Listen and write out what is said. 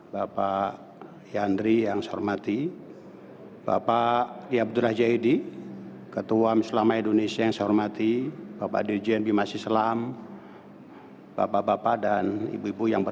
bapak nya dan masyarakat atau orangtua yang ber matters e